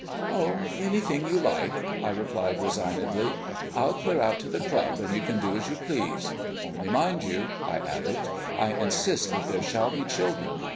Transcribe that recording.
"Oh, anything you like," I answered resignedly. "I'll clear out to the club and you can do as you please. Only, mind you," I added, "I insist that there shall be children.